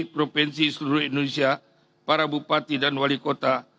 provinsi seluruh indonesia para bupati dan wali kota